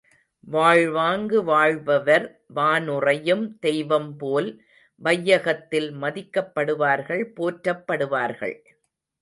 வாழ் வாங்கு வாழ்பவர் வானுறையும் தெய்வம்போல் வையகத்தில் மதிக்கப்படுவார்கள் போற்றப்படுவார்கள்.